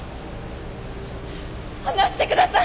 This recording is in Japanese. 離してください！